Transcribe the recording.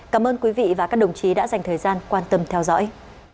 cảm ơn quý vị và các đồng chí đã dành thời gian quan tâm theo dõi